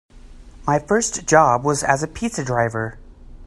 My first job was as a pizza driver.